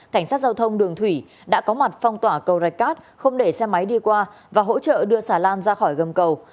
cảnh sát giao thông đường thủy đã có mặt phong tỏa cầu rạch cát không để xe máy đi qua và hỗ trợ đưa xà lan ra khỏi gầm cầu